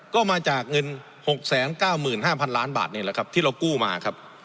ก็มาจากเงิน๖๙๕๐๐๐ล้านบาทที่เรากู้มาครับ